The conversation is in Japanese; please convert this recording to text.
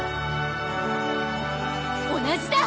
同じだ！